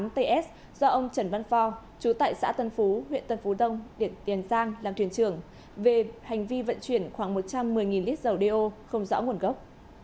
tám ts do ông trần văn phò chú tại xã tân phú huyện tân phú đông tiền giang làm thuyền trưởng về hành vi vận chuyển khoảng một trăm một mươi lít dầu đeo không rõ nguồn gốc